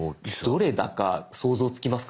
どれだか想像つきますか？